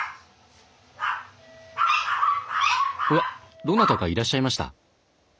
おやどなたかいらっしゃいました。